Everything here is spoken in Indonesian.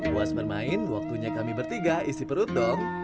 puas bermain waktunya kami bertiga isi perut dong